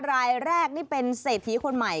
รายแรกนี่เป็นเศรษฐีคนใหม่